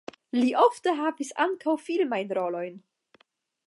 Li ofte havis ankaŭ filmajn rolojn.